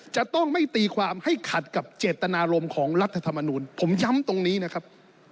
จะต้องไม่ตีความให้ขัดกับเจตนารมณ์ของรัฐธรรมนูลผมย้ำตรงนี้นะครับ